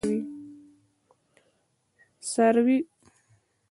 څاروي په دې غونډیو کې څري او ښه نسل ورکوي.